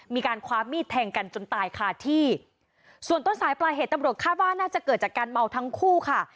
มีการคว้ามีดแทงกันจนตายคาที่ส่วนต้นสายปลายเหตุตำรวจคาดว่าน่าจะเกิดจากการเมาทั้งคู่ค่ะ